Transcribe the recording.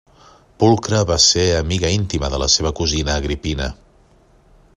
Pulcra va ser amiga íntima de la seva cosina Agripina.